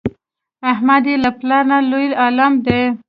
احمد یې له پلار نه لوی عالم دی.